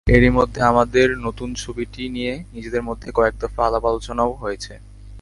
এরই মধ্যে আমাদের নতুন ছবিটি নিয়ে নিজেদের মধ্যে কয়েক দফা আলাপ-আলোচনাও হয়েছে।